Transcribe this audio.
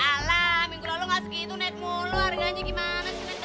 alah minggu lalu gak segitu naik mulu harganya gimana sih